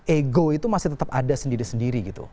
ego itu masih tetap ada sendiri sendiri gitu